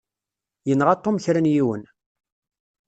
Yenɣa Tom kra n yiwen.